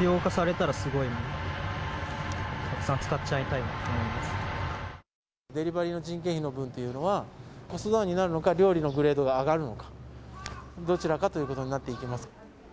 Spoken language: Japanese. たくさん使っちゃいたいなと思いデリバリーの人件費の分というのは、コストダウンになるのか、料理のグレードが上がるのか、どちらかということになっていきます。